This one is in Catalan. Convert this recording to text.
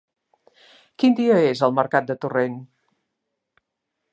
Quin dia és el mercat de Torrent?